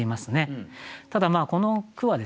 ただこの句はですね